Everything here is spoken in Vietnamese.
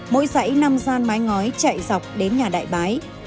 mỗi dãy năm gian mái ngói chạy dọc đến nhà đại bái